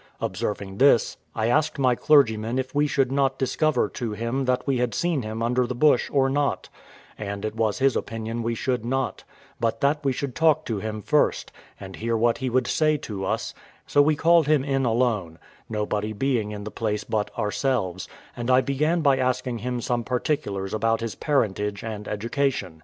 Observing this, I asked my clergyman if we should discover to him that we had seen him under the bush or not; and it was his opinion we should not, but that we should talk to him first, and hear what he would say to us; so we called him in alone, nobody being in the place but ourselves, and I began by asking him some particulars about his parentage and education.